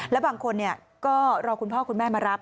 แล้วบางคนก็รอคุณพ่อคุณแม่มารับ